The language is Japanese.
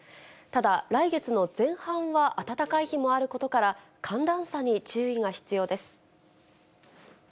ただ、来月の前半は暖かい日もあることから、寒暖差に注意が必要です。